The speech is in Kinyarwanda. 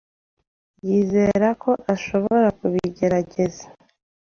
Yizera ko ashobora kubigaragaza.